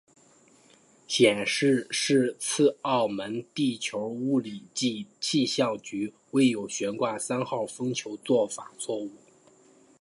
显示是次澳门地球物理暨气象局未有悬挂三号风球做法错误。